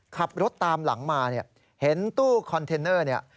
ขับรถตามหลังมาเนี่ยเห็นตู้คอนเทนเนอร์เนี่ย